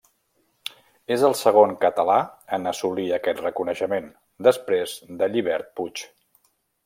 És el segon català en assolir aquest reconeixement, després de Llibert Puig.